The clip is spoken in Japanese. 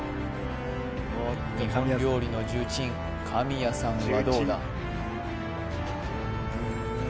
日本料理の重鎮神谷さんはどうだ？